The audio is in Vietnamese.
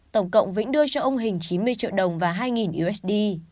tổng cộng vĩnh đưa cho ông hình chín mươi triệu đồng và hai usd